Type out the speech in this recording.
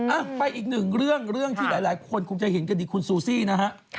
อ่ะไปอีกหนึ่งเรื่องเรื่องที่หลายคนคงจะเห็นกันดีคุณซูซี่นะฮะ